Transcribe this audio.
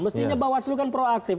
mestinya bawaslu kan proaktif